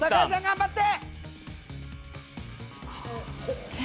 頑張って。